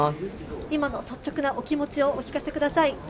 今の率直なお気持ちをお聞かせください。